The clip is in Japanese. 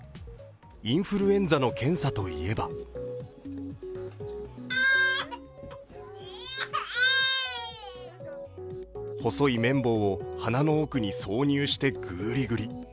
インフルエンザの検査といえば細い綿棒を鼻の奥に挿入してグリグリ。